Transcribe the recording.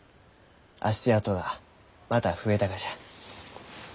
足跡がまた増えたがじゃ。